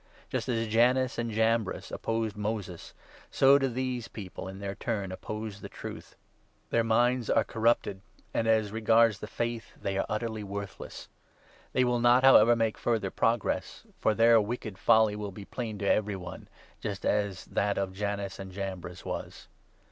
Just as Jannes and Jambres opposed Moses, so do these 8 people, in their turn, oppose the Truth. Their minds are corrupted, and, as regards the Faith, they are utterly worth 19 Num. 16. 5 ; Isa. 26. 13. 420 II. TIMOTHY, less. They will not, however, make further progress ; for 9 their wicked folly will be plain to every one, just as that of Jannes and Jambres was.